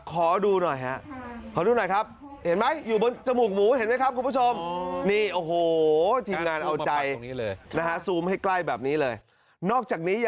ขอดูหน่อยครับขอดูหน่อยครับเห็นไหม